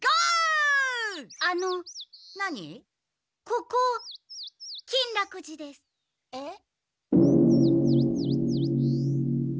ここ金楽寺です。え？えっ！？